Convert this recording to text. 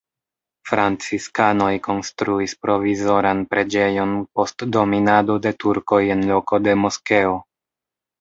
Franciskanoj konstruis provizoran preĝejon post dominado de turkoj en loko de moskeo.